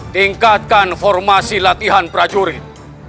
tingkatkan formasi latihan prajurit